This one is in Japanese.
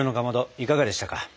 いかがでしたか？